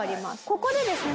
ここでですね